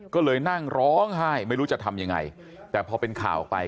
ก็เลยนั่งร้องไห้ไม่รู้จะทำยังไงแต่พอเป็นข่าวออกไป